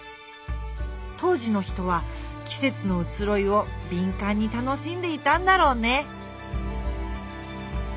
当時の人はきせつのうつろいをびんかんに楽しんでいたんだろうね。